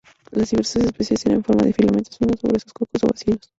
Las diversas especies tienen forma de filamentos finos o gruesos, cocos o bacilos.